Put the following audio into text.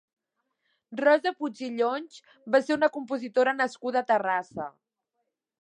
Rosa Puig i Llonch va ser una compositora nascuda a Terrassa.